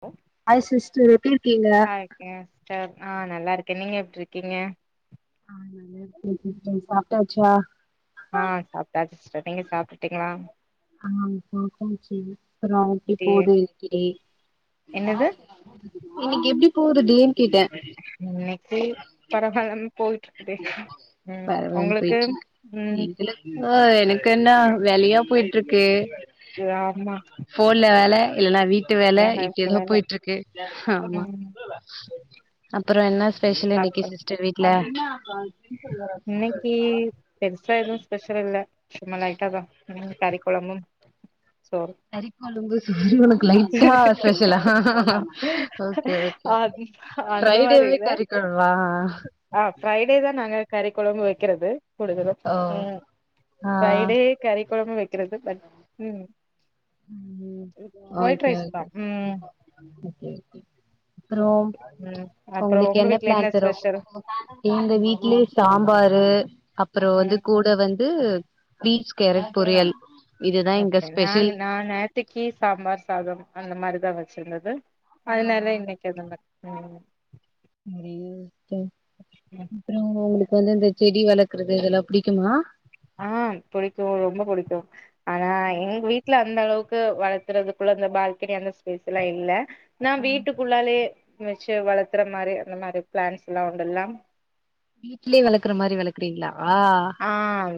ஆ hi sister எப்டி இருக்கீங்க இருக்கே சிஸ்டர் ஆ நல்லா இருக்கே நீங்க எப்டி இருக்கீங்க சாப்பிட்டாச்சா ஆ சாப்பிட்டாசி சிஸ்டர் நீங்க சாப்பிட்டுட்டீங்களா ஆ சாப்பிட்டாச்சு நான் டீ இப்போது இருக்கிறேன் என்னது இன்னைக்கு எப்டி போறது இன்னைக்கு பரவால்லாம போயிட்டு இருக்குது ம் உங்களுக்கு ம் ஆ எனக்கு என்ன வேலயா போயிட்ருக்கு அ ஆமா போன்ல வேல இல்லன்னா வீட்டு வேல இப்ப இருக்கு ஏதோ வேல போயிட்ருக்கு ஆமா ம் அப்புறோ என்ன ஸ்பெஷல் இன்னைக்கு சாப்டோம் சிஸ்டர் வீட்ல இன்னைக்கு எக்ஸ்ட்ரா எதும் ஸ்பெஷல் இல்ல சும்மா லைட்டாதா ம் கறி குழம்பும் சோறும் கறி கொழம்பு சோறு உனக்கு லைட்டா ஸ்பேஷலா ஓகே ஓகே அது அந்த மாரி ப்ரைடேவே இல்ல கறிக்கொழம்பா ஆ ஃப்ரைடே தா நாங்க கறி கொழம்பு வைக்கிறது கூடுதலு ஓ ம் ஆ ஃப்ரைடே கறி குழம்பு வைக்கிறது பட் ம் ம் ஒயிட் ஓகே ரைஸ் தா ஓகே ம் ஓகே ஓகே அப்ரோம் ம் அப்றோ உங்களுக்கு உங்க என்ன வீட்ல பிளான் கரொ ஸ்பெஷல் எங்க வீட்லே சாம்பாரு அப்புறோ வந்து ம் கூட வந்து பீன்ஸ் கேரட் பொரியல் இதுதா இங்க ஸ்பெஷல் நேத்தைக்கி சாம்பார் சாதம் அந்த மாரிதா வச்சிருந்தது ஆ அதனால இன்னைக்கு அந்த மாரி பண்ணே வேற யோசிச்சே ம் அப்புறோ உங்களுக்கு வந்து இந்த செடி வளக்க்குறது இதெல்லா புடிக்குமா ஆ பிடிக்கு ரொம்ப பிடிக்கு ஆனா எங்க வீட்ல அந்த அளவுக்கு வளக்குறதுக்குள்ள அந்த பால்கனி அந்த ஸ்பேஸ்லா இல்ல நா வீட்டுக்குள்ளாலே வச்சு வளத்துற மாரி அந்த மாரி ப்ளாண்ட்ஸ்லா உண்டுலா வீட்லே வளக்குற மாரி வளக்குறீங்ளா ஆ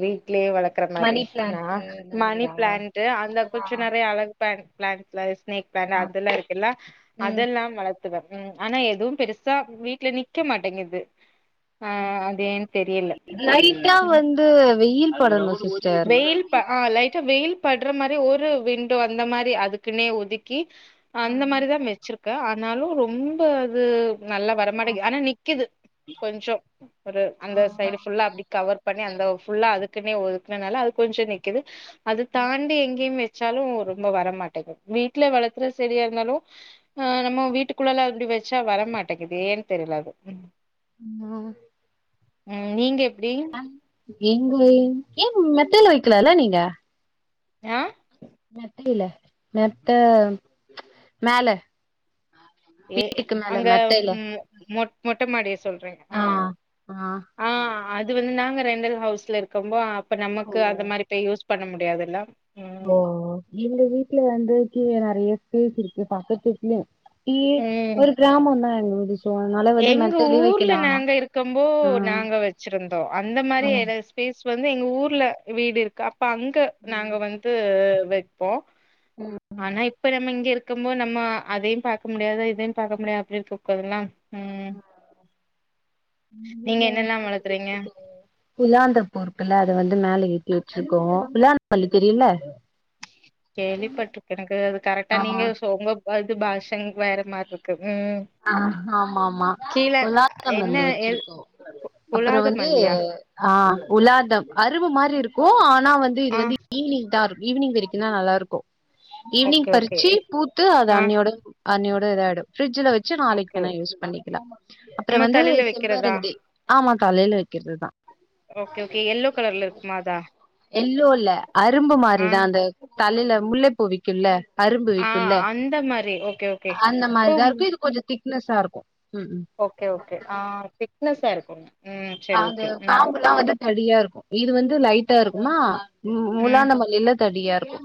வீட்லே வளக்குற மாரி நா பிளான்ட்ஸு இந்த மணி மாரியா பிளான்டு அந்த கொஞ்சோ நெறைய அழகு பன் பிளான்ட்ஸ்ல ஸ்னேக் பிளான்ட் அதெல்லா இருக்குல்ல ம் அதெல்லா வளக் கத்துபே ம் ஆனா எதுவு பெருசா வீட்ல நிக்க மாட்டேங்குது ஆ அது ஏன் தெரியல இதுலா ம் வந்து வெயில் படணு சிஸ் வெயில் ப ஆ லைட்டா வெயில் படுற மாரி ஒரு விண்டோ அந்த மாரி அதுக்குன்னே ஒதிக் கீ அந்த மாரிதா வச்சிருக்கே ஆனாலு ரொம்ப அது நல்லா வரமாட்டேங்கி ஆனா நிக்குது கொஞ்சொ ஒரு அந்த சைடு ஃபுல்லா அப்டி கவர் பண்ணி அந்த ஃபுல்லா அது அதுக்குன்னே ஒதுக்குனனால அது கொஞ்சொ நிக்குது அது தாண்டி எங்கயுமே வச்சாலு ரொம்ப வர மாட்டேங்கு வீட்ல வளத்துற செடியா இருந்தாலு ஆ நம்ம வீட்டுக்குள்ளால அப்டி வச்சா வரமாட்டேங்கிது ஏன் தெர்ல அதுவு ம் ம் ம் நீங்க எப்டி எங்க ஏங் மெத்தைல வைக்லல்லா நீங்க ஆ மெத்தைல மெத்த மேல ஏ வீட்டுக்கு மேல அங்க மெத்தையில மொ மொட் மொட்ட மாடிய சொல்றீங்க ஆ ஆ அது வந்து நாங்க ரெண்டல் ஹவுஸ்ல இருக் கம்போ அப்ப ஓ நமக்கு அந்த மாரி இப்ப யூஸ் பண்ண முடியாதுல்ல ம் ஓ ஓ எங்க வீட்ல வந்து கீழ நெறைய ஸ்பேஸ் இருக்கு பக்கத்துக்தூட்லயு ஏ ம் ஒரு கிராமந்தா எங்க வில்லேஜ் எங்க ஊர்ல நாங்க இருக்கம்போ ஆ நாங்க வச்சிருந்தோ அந்த மாரி ஆ எரஸ் ஸ்பேஸ் வந்து எங்க ஊர்ல வீடு இருக்கு அப்ப அங்க நாங்க ம் வந்து வெப்போ ஆனா இப்ப நம்ம இங்க இருக் இருக்கம் போ நம்ம அதயு பாக்க முடியாத இதயுபாக்க முடியாத அப்டி இருக்கப்பல்லா ஒங்க நீங்க வீட்ல என்னெல்லா என்னா செடி வளக்குறீங்க வச்சுருக்காங்க பில்லாந்த பூ இருக்குல்ல அத வந்து மேல ஏத்தி வச்சுருக்கோ பில்லாந்த மல்லி தெரியுல்ல கேள்விப்பட்ருக்க எனக்கு அது கரெக்டா ஆ நீங்க சோ ஒங்க வது பாஷங் எனக்கு வேற மாரி இருக்கு ம் ஆ ஆமாமா கீழ ஒலாத்ற என்ன மல்லி எல் வச்சுருக்கோ அப்பறோ புலாத வந்து மல்லியா ஆ உலாந்தம் அரும்பு மாரி இருக்கு ஆனா வந்து இது ஆ வந்து ஈவினிங் தா இரு ஈவினிங் விரிக்கு ன்னா நல்லாருக்கு ஈவினிங் ஓகே ஓகே பறுச்சு பூத்து அது ஆ அன்னியோட அன்னியோட இதாயிடு ஃப்ரிட்ஜுல வ ச்சு நாளைக்கு ஓகே வேணா யூஸ் பண்ணிக்லா அப்பறொ நம்ம வந்து தலையில வைக்கிறதா செம்பருந்தி ஆமா தலேல வைக்கிறது தா ஓகே ஓகே எல்லோ கலர்ல இருக்குமா அதா எல்லோ இல்ல அரும்பு ஆ மாரிதா அந்த தலேல முல்ல பூ விக்குல்ல அரும்பு ஆ விக்குல்ல அந்த மாரி ஓகே ஓகே அந்த ஓ மாரிதா இருக்கு இது கொஞ்சோ திக்னஸா இருக்கு ம் ம் ஓகே ஓகே ஆ திக்னஸ்ஸா இருக்கு அந்த காம்புலா வந்து தடியா இருக்கு இது வந்து லைட்டா இருக்குமா மு ம் முலாந்த மல்லில தடியா இருக்கு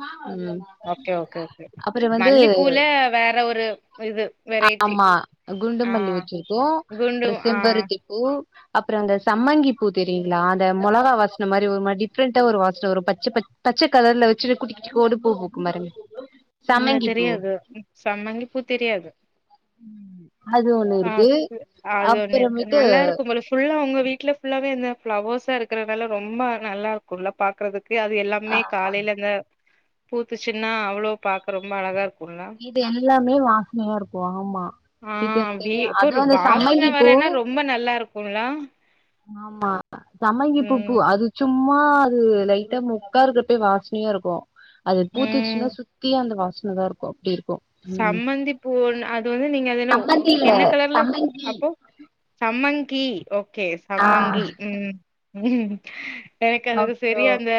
ம் ஓகே ஓகே ஓகே அப்புற வந்து மல்லிப்பூல வேற ஒரு இது வெரைட்டி ஆமா குண்டு ஆ மல்லி வச்சுருக்கோ குண்டு அப்பறொ ஆ செம்பருத்தி பூ அப் பறோ அந்த சம்மங்கி பூ தெரியுங்ளா அத மொளகா வாசன மாரி ஒரு மாரி டிஃபரெண்டா ஒரு வாசன வரு பச்ச பச் பச்ச கலர்ல வச்சுட்டு குட்டிகுட்டிக்கு ஒரு பூ பூக்கு பாருங்க இல்ல சம்மங்கி பூ தெரியாது சம்மங்கி பூ தெரியாது அது ஒன்னு ஆ இருக்கு அது ஒண்ணு இருக்கு அப்பறமேட்டு நல்லா இருக்கும் போல ஃபுல்லா ஒங்க வீட்ல ஃபுல்லாவே இந்த ஃப்ளவர்ஸ்ஸா இருக்கறனால ரொம்ப நல்லா இருக்குல்ல பாக்றது கே அது அ எல்லாமே காலேல அந்த பூத்துச்சுன்னா அவ்ளோ பாக்க ரொம்ப அழகா இருக் இது எல்லாமே வாசனையா இருக்கு ஆமா ஆ டீடெய்ல்ஸ் வீ சரி அப்ப அது ஒரு அந்த வாசன சம்மங்கிப்பூ வரன்னா ரொம்ப நல்லாருக்குல்ல ஆமா சம்மங்கி பூ பூ ம் அது சும்மா அது லைட்டா முக்கா இருக்கப்பயே வாசனையா இருக்கு அது ம் பூத்துசுனா சுத்தி அந்த வாசனதா இருக்கு அப்டியே சம்மந்திப்பூ அது வந்து நீங்க அது என்ன சம்மந்தி இல்ல என்ன கலர்ல சம்மங்கி அப்போ சம்மங்கி ஓகே ஆ சம்மங்கி ம் எனக்கு அதுக்கு அப்றோ சரியா அந்த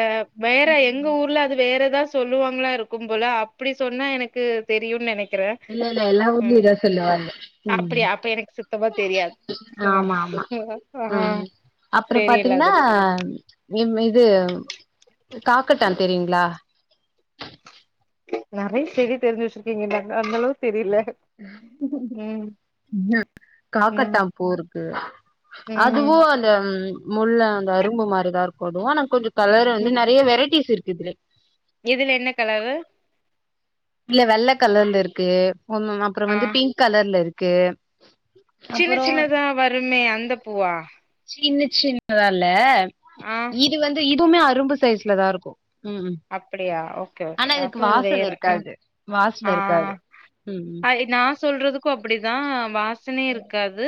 வேற எங்க ஊர்ல அது வேற எதா சொ சொல்லுவாங்களா இருக்கும் போல அப்டி சொன்னா எனக்கு தெரியுன் நெனைக் இல்ல இல்ல எல்லா ஊர்லயு இதா சொல்லுவாங்க ம் அப்டியா அப்ப எனக்கு சுத்தமா தெரியாது ஆ ஆமா ஆமா ஆ ம் அப்பற தெரியல பாத்தீங்கன்னா அது எம் இது காக்கட்டான் தெரியுங்களா நெறைய செடி தெருஞ்சு வச்சுருக்கீங்க கரட்டா அந்த அளவுக்கு தெரில ம் ம்ஹு ம் காக்கட்டா பூ இருக்கு ம் அதுவு அ அந்த முள்ள அந்த அரும்பு மாரிதா இருக்க அதுவு ஆனா கொஞ்சோ கலர் வந்து ம் நெறைய வெரைட்டிஸ் இருக்கு இதுலயே இதுல என்ன கலரு இல்ல வெள்ள கலர்ல இருக்கு ம் ம் அப்பறோ ஆ வந்து பிங்க் கலர்ல இருக்கு சின்ன அப்றோ சின்னதா வருமே அந்த பூவா சின்ன சின்னதா இல்ல ஆ இது வந்து இதுமே அரும்பு சைஸ்ல தா இருக்கும் ம் அப்டியா ஓகே ஆனா ஓகே இதுக்கு அப்ப இது வாசல் வேற இருக்காது வாசன இருக்காது ம் ம் அது நா சொல்றதுக்கும் அப்படிதா வாசனையே இருக்காது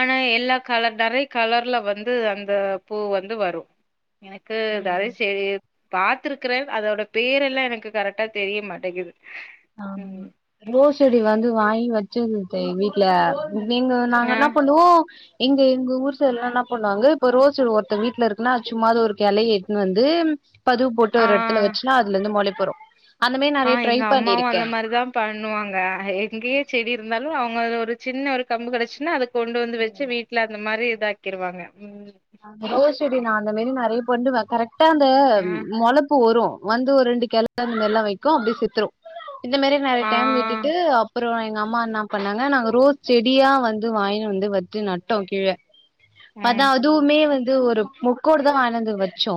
ஆனா எல்லா கலர் நிறைய கலர்ல வந்து அந்த பூ வந்து வரும் எனக்கு நிறைய ம் சரி பாத்துருக் ரே அதோட பேர் எல்லா எனக்கு கரெக்டா தெரிய மாட்டேங்கிது ஆ ரோஸ் செடி வந்து வாங்கி வச்ச இருந்த வீட்டு்ல நீங்க நாங்க ஆ என்ன பண்ணுவோ எங்க எங்க ஊர் சைட் எல்லா என்ன பண்ணுவாங்க இப்ப ரோச ஒருத்தர் வீட்டுல இருக்குன்னா சும்மாத ஒரு கிளைய எட்டுன்னு வந்து பதுவு போட்டு ஒரு இடத்துல ஆ வச்சுன்னா அதுலந்து முளைப்பு வரும் அந்த மாதிரி நிறைய ட்ரை அம்மாவும் பண்ணிருக்கே அந்த மாி து தா பண்ணுவாங்க எங்கேயே செடி இருந்தாலு அவங்க சின்ன ஒரு கம்பு கிடைச்சுன்னா அதுக் கொண்டு வந்து வச்சு வீட்டுல அந்த மாதிரி இதாக்கிருவாங்க ம் ரோஸ் செடி நா அந்த மாரி நிறைய பண்ணுவே கரெக்டா அந்த ஆ மொள பூ வரும் வந்து ஒரு ரெண்டு கிழ அ எல்லா வைக்கும் அப்படியே செத்துரும் இந்த மாதரி நிறைய ஆ டைம் வீட்டுட்டு அப்புறம் எங்க அம்மா என்ன பண்ணாங்க நாங்க ரோஸ் செடியா வந்து வாங்கி வந்து வெச்சி நட்டோ கீழ அதா ம் அதுவுமே வந்து ஒரு முக்கோட தா வானந்து வச்சோ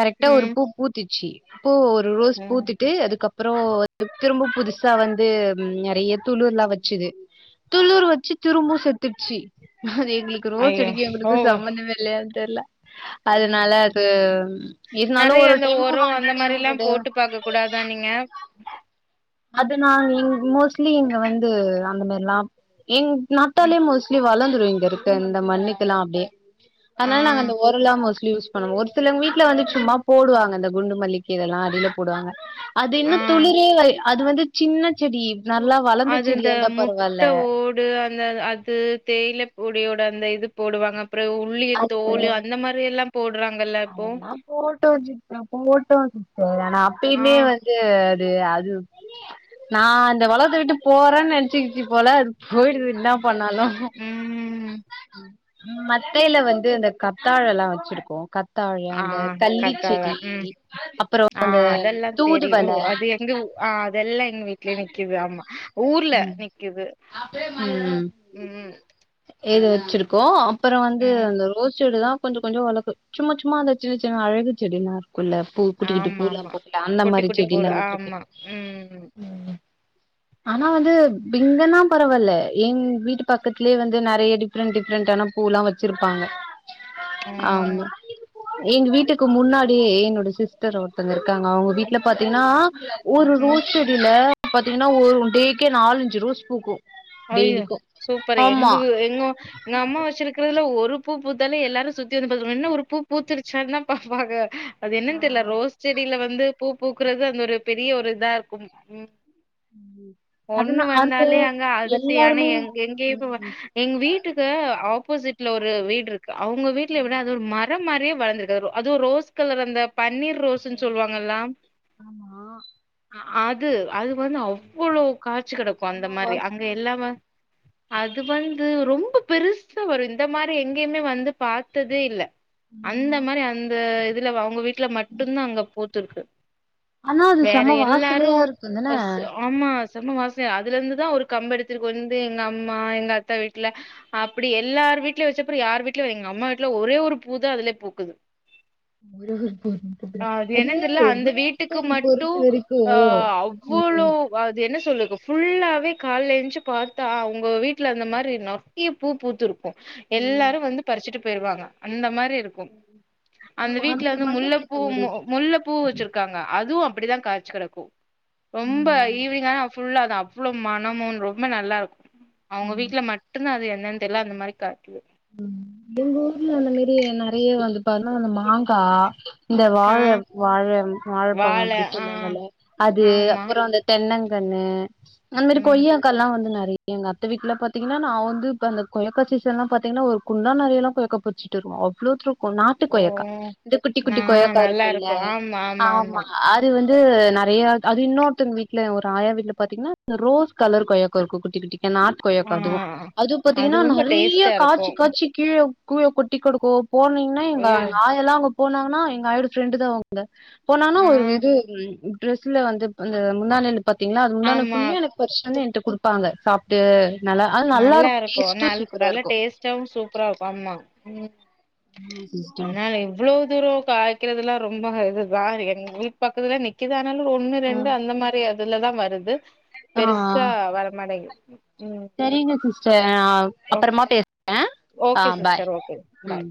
கரெக்டா ஒரு ம் பூ ச்ச அப்போ ஒரு ரோஸ் ம் பூத்துட்டு அதுக்கப் அப்புறம் திரும்ப புதுசா வந்து நிறைய துளூர்லா வச்சுது துள்ளூர் வச்சு திரும்பவு செத்துடுச்சு அது எங்களுக்கு ரோஸ் ஐயோ செடிக்க ஓ எங்களுக்கு வெள்ளயா தெரல்ல அதனால ம் அது இருந்தாலு நெறைய ஒரு ஒரு டைமு ஹண்ட்ரடு ஹண்ட்ரடு குடாத நீங்க அது நா மோஸ்ட்லி இங்க வந்து அந்த மாதிரில்லா இங் ம் நாட்டாலேயே மோஸ்ட்லி வளர்ந்துருங்க இங்க இருக்கு இந்த மண்ணுக்குெல்லா அப்படியே ஆ அதனால நாங்க அந்த ஓர எல்லா மோஸ்லி ஒரு சிலவங்க வீட்டுல வந்துட்டு சும்மா போடுவாங்க இந்த குண்டு மல்லிக்கு இதெல்லா அடில போடுவாங்க அது இன்னு ஆ துளிரே அது வந்து சின்ன செடி நல்லா வளர்ந்த அது இந்த செடிய இருந்தா முட் பரவால்ல ட ஓடு அந்த அது தேயில பொடியோட அந்த இது போடுவாங்க உள்ளி அது தோல் அந்த மாதிரி எல்லா போடுறாங்கல்ல இப்போ அதெல்லா போட்டோ ச போட்டோ சரு ஆனா ஆ அப்பயுமே வந்து அது அது நா இந்த உலகத்த விட்டு போறேன்னு நெனைச்சிக்கிச்சு போல போயிடு என்ன பண்ணாலு ம் மத் மட்டையில வந்து இந்த கத்தாழ எல்லாம் வச்சிருக்கோ தாழையா ஆ அந்த கத்தாழ கல்லிச்சடி ம் அப்றோ அந்த தூதுவள இங்க ஆ அதெல்லா எங்க வீ வீட்லே நிக்குது ஆமா ஊர்ல நிக்குது ம் எது வச்சிருக்க ஓ அப்றோ ம் அந்த ரோஸ் செடி தா கொஞ்ச கொஞ்ச வள சும்மா சும்மா அந்த சின்ன சின்ன அழகு செடி லா இருக்குல்ல பூ குட்டிக்குட்டு ஆமா பூலா ஆமா பூக்குல அந்த குட்டி மாரி குட்டி போடு செடில்லா வந்துருக்கு ஆமா ம் ஆனா வந்து இங்கன்னா பரவால்ல எங் வீட்டு பக்கத்துலே வந்து நெறையடி டிஃப்ரெண்ட் டிஃப்ரெண்டான பூலா வச்சிருப்பாங்க ஆமா ம் எங்க வீட்டுக்கு முன்னாடியே என்னோட சிஸ்டர் ஒருத்தங்க இருக்காங்க அவங்க வீட்ல பாத்தீங்ன்னா ஒரு ம் ரோஸ் செடியில பாத்தீங்ன்னா ஒரு டேக்கே நாலஞ்சு ரோஸ் பூக்கு அய்யோ டெய்லிக்கு சூப்பர் ஆமா எங்க எங்க எங்க அம்மா வச்சிருக்கிறதுல ஒரு பூ பூத்தாலே எல்லாரு சுத்தி வந்து பாத்ரணு என்ன ஒரு பூ பூத்துருச்சான்தா பாபாங்க அது என்னன்னு தெரில ரோஸ் செடியில வந்து பூ பூக்குறது அந்த ஒரு பெரிய ஒரு இதா இருக்கும் உ ஒண்ணு அதுனா அந்த வந்தாலே அங்க அதிசய ஆனா எல்லாருமே எங்க எங்கயு ம் எங்க வீட்டுக்கு ஆப்போசிட்ல ஒரு வீடு இருக்கு அவங்க வீட்டுல விட அது மர மர மாரியே வளர்ந்திருக்க அதுவு ரோஸ் கலர் அந்த பன்னீர் ரோஸ்ன்னு சொல்லுவாங்கல்லா ஆமா ஆ ஆது அது வந்து அவ்வளோ காய்ச்சு கெடக்கு செம அந்த மாரி அங்க வாசன அடிக்கு எல்லாவ அதுவந்து ரொம்ப பெருசா வரு இந்த மாரி எங்கேயுமே வந்து பாத்ததே இல்ல அந்த மாரி அந்த இதுல அவங்க வீட்டுல மட்டுந்தா அங்க பூத்துருக்கு ஆனா அது வேற செம எல்லாரு வாசனையா இருக்குந்தான அஸ் ஆமா செம வாச அதுல இருந்துதா ஒரு கம்ப எடுத்துருக்கு வந்து எங்க அம்மா எங்க அத்தா வீட்டுல அப்படி எல்லார் வீட்லய வச்சப்பெறவு யார் வீட்லயு எங்கம்மா வீட்டுல ஒரே ஒரு பூதா அதுலே பூக்குது அ அது என்னன்னு தெரியல அந்த ரோஸ் வீட்டுக்கு செடி மட்டு பொறுத்த வரைக்கு அ அவ்வளோ அது என்ன சொல்லக்கு ஃபுல்லாவே கால்ல எஞ்ச்சு பாத்தா அவங்க வீட்டுல அந்த மாரி நெறையா பூ பூத்துருக்கு எல்லாரு வந்து பறிச்சுட்டு போயிருவாங்க அந்த மாரி இருக் கு அந்த வீட்ல வந்து முல்லபூ மு முல்ல பூ வச்சிருக் க்காங்க அதுவு அப்படிதா காச்சி கடக்கு ரொம்ப ம் ஈவினிங் ஆனா ஃபுல்லாதா மனமு ரொம்ப நல்லா இருக்கு அவங்க வீட்ல மட்டுந்தா அது என்னன் தெர்ல அந்த மாரி காய்க்குது உ எங்க ஊர்ல அந்த மாரி நெறைய வந்து இப்ப அந்த மாங்கா இந்த ஆ வாழ வாழ வாழப்பழோ வாழ அப்டினு ஆ சொன்னாங்கள அது ஆமா அப்புறோ அந்த தென்னங்கன்னு அந்த மாரி ம் கொய்யா கால்லா வந்து நறைய எங்க அத்த வீட்டுல பாத்தீங்கன்னா நா வந்து அந்த கொய்யாக்கா சீசன்ல்லா பாத் தீங்கனா ஒரு குண்டா நெறையல்லா கொய்யாக்கா பறிச்சிட்வருவோ அவ்ளோத்ருக் கு நாட்டு ஓ கொய்யாக்கா இந்த குட்டி நா குட்டி கொய்யாக்கா நல்லா இருக்குல்ல இருக்கு ஆமா ஆமா அத் து வந்து நெறைய அது இன்னொருத்தங்க வீட்டுல ஒரு ஆயா வீட்டுல பாத்தீங்கன்னா ரோஸ் கலர் கொய் குருக்கு குட்டி குட்டிக்கா நாட் ஆ கொய்யாக்கா அதுவு அது பாதீங்கன்னா ரொம்ப நறைய டேஸ்ட்டா இருக்கு கி கீழ கொட்டி கெடக்கு போனீங்கன்னா எங் ஐயோ எங்காயல்லாஅங்க போனாங்கன்னா எங்க ஆயாவோட ஃப்ரெண்டு தான் அங்க ந்த போனானா ஆ ஒரு இது ட்ரெஸ்ல வந்து அ முந்தானேல பாத்தீங்களா அது முந்தான ஆமா ஃபுல்லா எனக்கு பறிச்சுட்டு வந்து என்ட்ட குடுப்பாங்க சாப்ட்டு நல்லா அது நல்லா இருக்கு டேஸ்ட்டு சூப்பரா இருக்கு ஸ்டைம் சூப்பராருக்கு ஆம்மா உ ஆமா சிஸ்டர் ஆனாலயு அவ்ளோ தூரோ காய்க்கறிதுலா ரொம்ப இது [unintelligible] எங்க வீட்டு் பக்கத்துல நிக் க்குது ஆனாலு ஒண்ணு ரெண்டு அந்த மாரி அதுலதா வருது ஆ பெருசா வர மாட்டேங்குது உ சேரிங்க சிஸ்டர் அப்புறமா பேசுறே ஆ okay bye sister okay bye உ